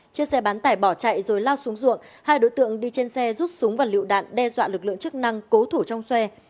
chiếc xe bán tải bỏ chạy rồi lao xuống ruộng hai đối tượng đi trên xe rút súng và lựu đạn đe dọa lực lượng chức năng cố thủ trong xe